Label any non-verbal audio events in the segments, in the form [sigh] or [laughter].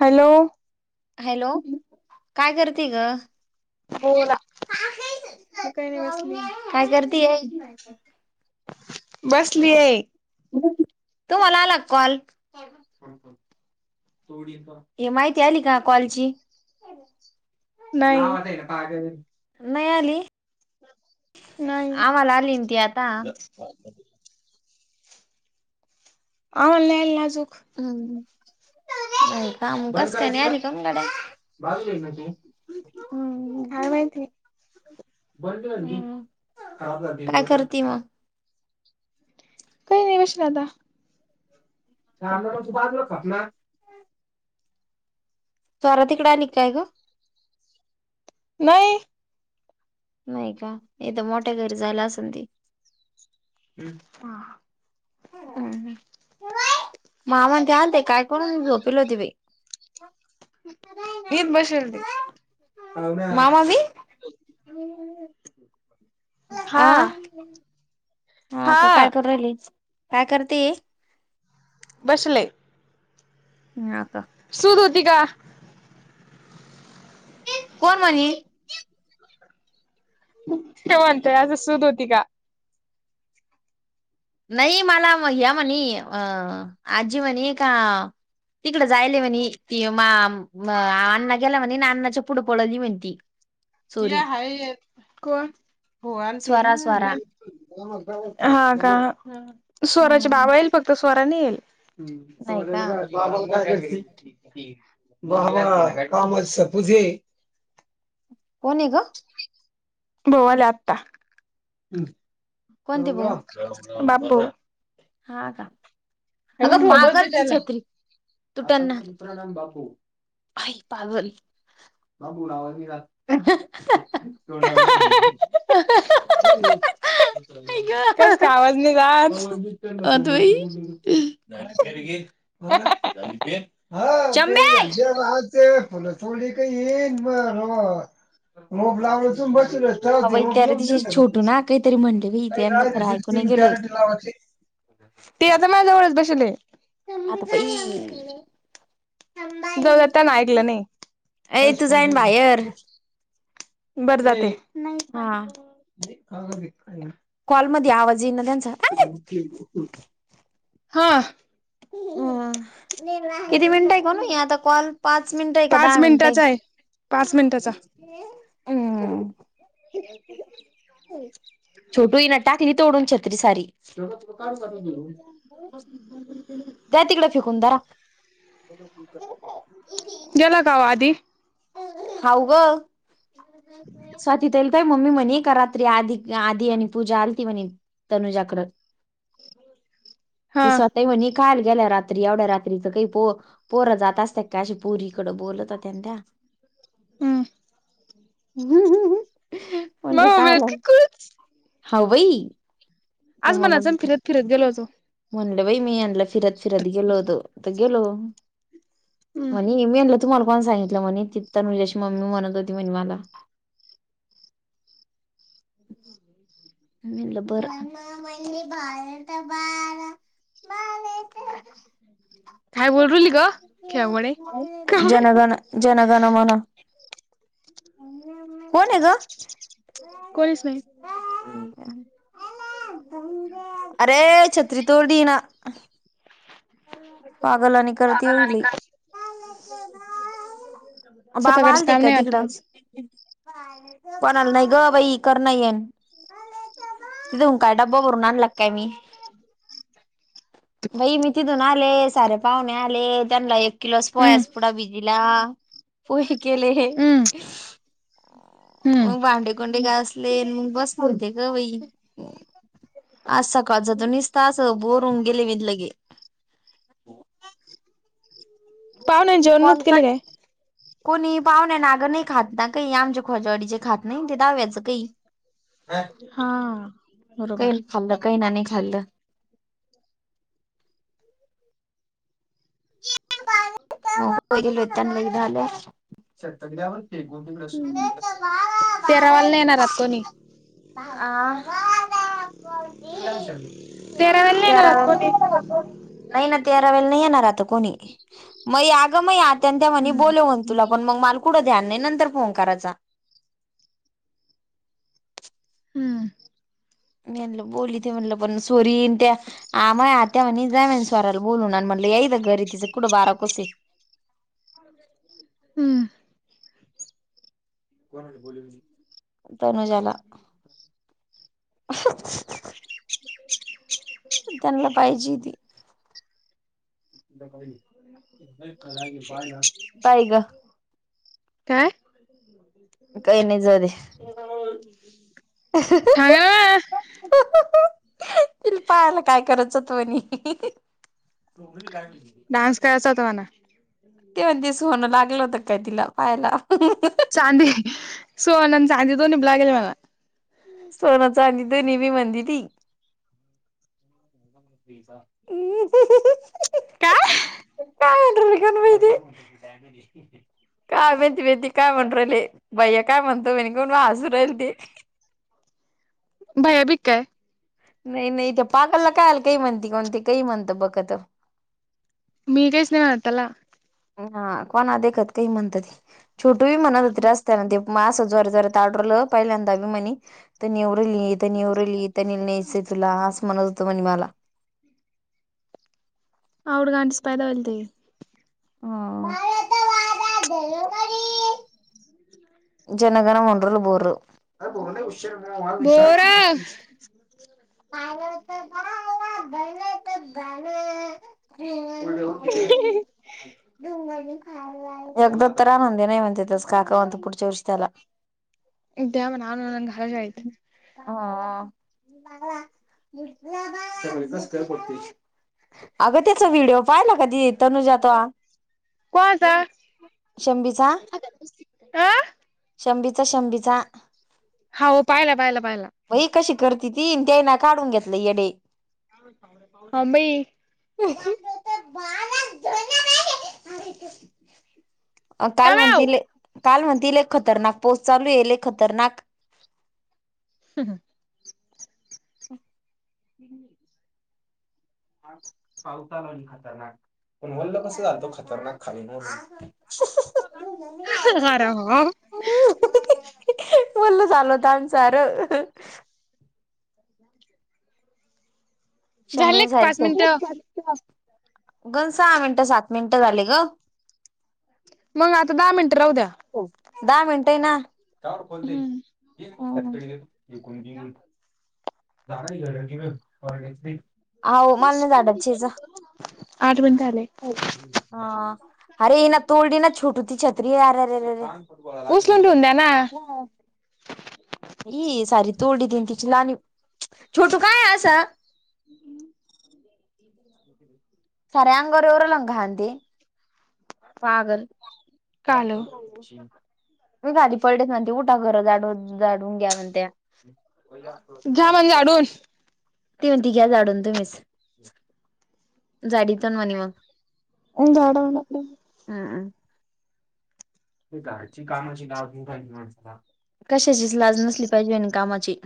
Hello hello काय करते ग बोला मी काही नाही बसली काय करतीये बसलीये तूम्हाला आला कॉल हे माहिती आली का कॉलची नाही लावाता आहे ना पाग नाही आली [unintelligible] नाही आम्हाला आली ती आता [unintelligible] आम्हाला नाही ना आली अजून हम् का बसत नाही अधिककडे [unintelligible] हम्म काय माहिती काय करते मग काही नाही विशन आता [unintelligible] त्या आमला पण त बाजला खात ना जाररा तिकडे आली काय ग नाही नाही का इथ मोठ्या घरी जाईल असल ती हा हम् मामानं ते आलते काय करुन झोपेल होती बई नीट बसेल ते मामांनी आ हा हा का काय करू राहिल काय करते बसले ह आता सुूध होती का कोण म्हणे ते म्हणतोय असं सुूध होती का नाही मला या म्हणे अं आजी म्हणे का तिकडे जायले म्हणे ती मा अण्णा गेला म्हणे ना अण्नाच्या पुढं पळवली म्हण त या हाय कोण हो आलते स्वरा ना स्वरा प हा का स्वराचे हम्म, बाबा येईल फक्त स्वरानी येईल हम् नाही का स का ब काम सपूझे कोणे का भवालाता कोणते भाऊ बापू हा का अगं पागलची छत्री तू त्यांना प्रणाम बाू आई पागल म बुड वा का कस कावाज नाही जाात अ दुई झा ह ते शंभे झा तेचे फलं चोडक येन म र रोप लाव त बस ठरवते अवै रोप त्या दिवशी लावून छोटू ना काहीतरी म्हणले बाई त्यांना खरं ऐकू नाही गेलं ंटी ला ते आता माझ्या जवळच बसेले आता प दता ना ऐकलं ए नाही तू जाईन बाहेर बरं झाले नाही हा पडले कॉलमध्येध्ये आवाज येई ना त्यांचा ह ह किती मिनिटं आहे का ना आता कॉल पाच मिनिट ये का पाच दहा मिनिटाचा मिनिट आहे. पाच मिनिटाचा ये हम्म छोटू ही न टाकली तोडून छत्री सारी ह दया तिकड फिकून धरा गेला का वो आदि हऊ ग स्वाती ताई मम्मी म्हणे का रात्री आदि आदि आणि पूजा अलती म्हणे तनुजाकड त हा स्वतःही म्हणी काल गेल्या रात्री एवढ्या रात्रीच काही पो पोर जात असतात का अशी पोरीकड बोलत होत्या ना त्या हम ह मग म्हणलं काय मम्मीला आला की कुच हा बाई त्या आज मनाचा म्हणत फिरत फिरत गेलो होतो म्हणलं बाई मी आणलं फिरत फिरत गेलो होतो तर गेलो हम्म म्हणे मी म्हलं तू मला कोण सांगितलं म्हणे ति तर म्हणजे अशी मम्मी म्हणत होती म्हणे मला ह ब म बा बाळा बा [unintelligible] काय बोल रुली ग खेळगडे काय जनगण जनगण म्हन कोण आहे ग कोणीच नाही. अरे छत्री तोडली हीन पागलानी करती नाना होई नाणी लई कर बाबा आलते का तिकडं पणाला नाही ग बाई कर नाही येन घेऊन काय डब्बा भरून आणला काय मी बाई मी तिथे तिथून आले सारे पाहुणे आले त्यांना एक किलोस हम्म पोयाचा पुढा भि दिला. पोहे केले हम्म हम्म मग भांडेकुंडी घासले मग बसले होते ग बाई आज सकाळचा त नुसत अस बोर होऊन गेलं गेले मी लगे पाहुण्यांनी जेवण नव्हतं केले कोलकट काय? कोणी पाहुण्या ना अगं नाही खात ना काही आमचे खोजवाडीचे खात नाही ते दहाव्याच काही हा काही बरोबर. न खाल्लं काही ना नाही खाल्लं त्यांन झाले तेरावाला नाही येणार आत कोणी [unintelligible] हा तेरावाला नाही येणार करा आत कोणी. नाही ना तेराव्याला नाही येणार आता कोणी मई अगं मई आत्या आणि त्या म्हणे हम्म बोलव मग तुला पण मग मला कुठं ध्यान नाही नंतर फोन करायचा हम्म मी ह्यांना बोलीते म्हण पण सोरीन त्या आ मई आत्या म्हणी जा म्हणी स्वराला बोलून अन् म्हटलं या येथ घरं ये तिचं कुठं बारा कोस ये [unintelligible] हम् तनुजाला ह [unintelligible] त्यांना पाहिजे ती पाय काय काही नाही झाले हम्म हम् [unintelligible] त पायाला काय करायचं त म्हनी चोरी काय डान्स करायचा होता म्हणा. ते म्हणज तेे स होणं लागलं होत काय तिला पाहायला चांदी सो नन चांदी तो निपलागेल मग सोनचा आ त निह म्हणंद ती हम् काहा कान व का बेती बेहती काय म्हण राले भैया काय म्हणतो मी कोण वाजू राहिल ते भया बीिक आहे नाही नाही इथे पागलला काय आल काही म्हणती कोणते काही म्हणत बघत [inaudible] हा कोणा देखत काही म्हणत ते छोटूी ही म्हणत होते रस्त्यान ते म अस जोरजोरात आढरलं पहिल्यांदा भि म्हणी त्यान एवढ लिही तनी उरली तनी न्यायचं तुला असं म्हणत होतं म्हणे मला [inaudible] ह जनगण मन बोर बोरा [inaudible] [inaudible] यगदोत्तरा न दे नाही म्हणतेेतस काकावंत पुढचोरस त्याला [inaudible] हा [inaudible] अगं त्याचा व्हिडिओ पाहिला का ती तनुजाचा आं शंभीचा शंभीचा हा हो पाहिला पाहिला पाहिला वई कशी करते ती तेई ना काढून घेतला येडे ह मई [inaudible] अ काल म्हण टम्याव काल म्हणतीलले खतरनाक पोस चालू येल खतरनाक ह हं हम् पावता आलो आणि खतरनाक पण वल्ल कस झालतो खतरनाक खाली न हरा ह वल झालं होत आंग सार शंभीन झाले सारी पाच मिनिटं गण सहा मिनिट सात मिनिट झाली ग मग आता दहा मिनट राहू द्या हो दहा मिनट आहे नाते हम्म [inaudible] हो मल नाही झाड शच आठ मिनिट झाले हा अरे इ ना तोोलडी नाछोटू ती छत्रीररररे [inaudible] उचलून ठेवून द्या ना ये सारी तोडी देन तिची लाणी छोट काय असं हम्म साऱ्या अंगारवर येऊराल ना घाण ते पागल काल मी खाली पडेत म्हती उठा घर जाडून झाडून घ्या म्हणत्या घ्या म्हण झाडून ती म्हण ती घ्या जाडून तुम्हीच झाडीतण म्हणे मग झाडवून हम् कामाची लाहिण कशाचीच लाज नसली पाहिजे आणि कामाची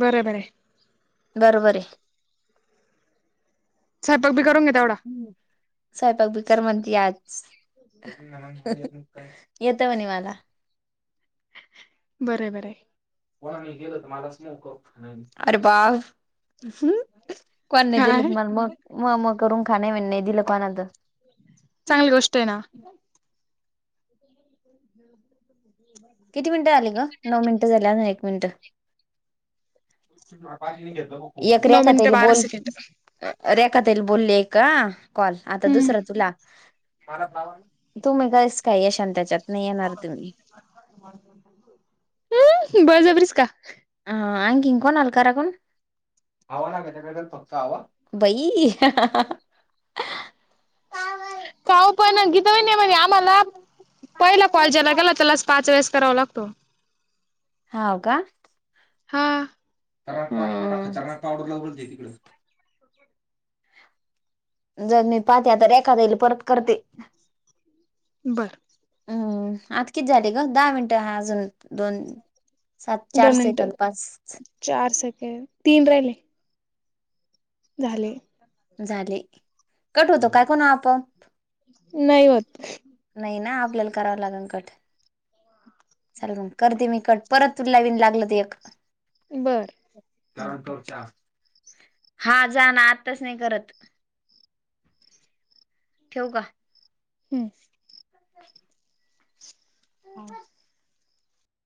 बरोबर हाय बरबर आहे स्वयंपाक बी करून घे तेवढा सायपाक बी कर म्हणती आज येत म्हणे मला बर बर कोणा म गेल तर मलाच नक अरे बा कोण नाही काय दिलं म मग मग मग करून खा नाही म्ह नाही दिलं कोणात चांगली गोष्ट आहे ना [unintelligible] किती मिनिटं झाले ग नऊ मिनिटं झाल्या एक मिनिटं एक नऊ रेखाताई मिनिटं ला बारा बोल सेकंड रेखात येईल बोलले का कॉल आता हम्म दुसरा तुला तु्ही कास काय यशान त्याच्यात नाही येणार तुम्ही हम् बर जबरीस का अ आणंक इंकण अलकारा कोण हवा ना त्याच्याकड फक्त हवा बाई काऊ पण ना गीता ब नाही म्ह आम्हाला पहिला कॉलजाला गेला त्याला पाच वेळेस करावा लागतो हाव का हां चव चनाट पावडरला बोलते तिकडं [inaudible] जर मी पाहते तर एखाद्या परत करते बरं हम्म आता किती झाले ग दहा मिनिटं अजून दोन सात चार दोन मिनिटं सेकड पाच चार सेकंड तीन रहिले झाले झाले कट होतो काय कोण आपोआप नाही व्हंत नाही ना आपल्याला करावं लागे कट चाल मग करते मी कट परत तुला विन लागलं ते एक बरं कारण त चार हा जा ना आत्ताच नाही करत ठेव का हम् हो